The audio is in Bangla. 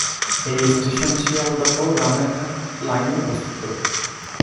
এই স্টেশন শেয়ালদহ-রানাঘাট লাইন এ অবস্থিত।